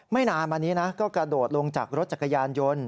นานมานี้นะก็กระโดดลงจากรถจักรยานยนต์